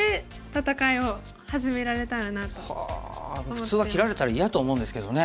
普通は切られたら嫌と思うんですけどね。